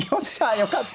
よかった。